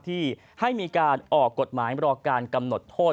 ที่ให้มีการออกกฎหมายรอการกำหนดโทษ